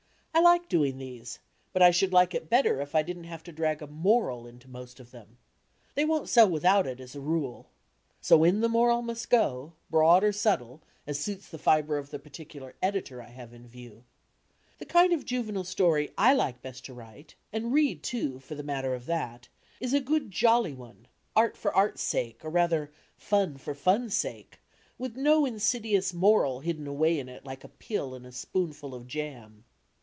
I like doing these, but I should like it better if I didn't have to drag a 'moral' into most of them. They won't sell without it, as a rule. So in the moral must go, broad or subde, as suits the fibre of the pardcular editor I have in view. The kind of juvenile D,i„Mb, Google story I like best to write and read, too, for the matter of that is a good, jolly one, "an for art's sake," or rather "fun for fun's sake," with no insidious moral hidden away in it like a pill in a spoonful of jam!